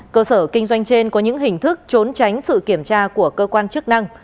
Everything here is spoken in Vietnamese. cơ sở kinh doanh trên có những hình thức trốn tránh sự kiểm tra của cơ quan chức năng